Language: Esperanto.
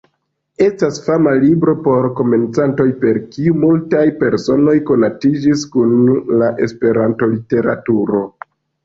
Estas fama libro por komencantoj per kiu multaj personoj konatiĝis kun la Esperanto-literaturo.